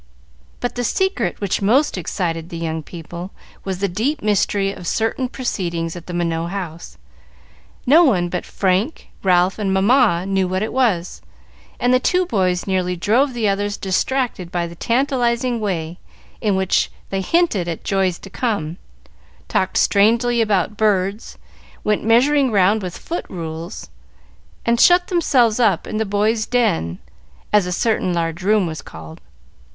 But the secret which most excited the young people was the deep mystery of certain proceedings at the Minot house. No one but Frank, Ralph, and Mamma knew what it was, and the two boys nearly drove the others distracted by the tantalizing way in which they hinted at joys to come, talked strangely about birds, went measuring round with foot rules, and shut themselves up in the Boys' Den, as a certain large room was called.